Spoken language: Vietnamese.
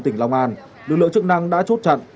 tỉnh long an lực lượng chức năng đã chốt chặn